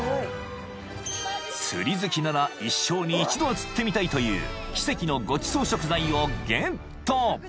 ［釣り好きなら一生に一度は釣ってみたいという奇跡のごちそう食材をゲット］